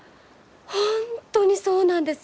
本当にそうなんです！